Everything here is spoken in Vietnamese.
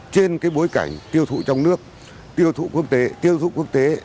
trên bối cảnh tiêu thụ trong nước tiêu thụ quốc tế tiêu dụng quốc tế